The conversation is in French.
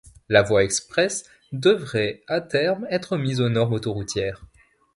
La voie express devrait à terme être mise aux normes autoroutières.